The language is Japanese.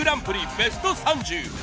ベスト３０。